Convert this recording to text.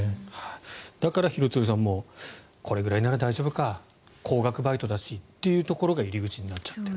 だから廣津留さんこれぐらいなら大丈夫か高額バイト出しというところが入り口になっちゃってる。